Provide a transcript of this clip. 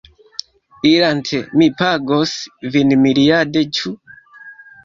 Irante, mi pagos vin miriade. Ĉu?